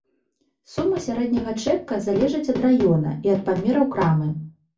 Сума сярэдняга чэка залежыць ад раёна, і ад памераў крамы.